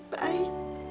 terima kasih nona